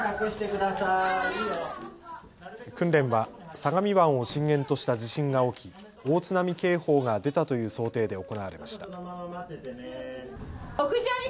訓練は相模湾を震源とした地震が起き、大津波警報が出たという想定で行われました。